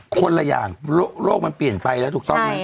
คนละอย่างโลกมันเปลี่ยนไปแล้วถูกต้องไหม